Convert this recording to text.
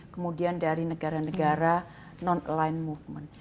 kemudian dari negara negara non aligned movement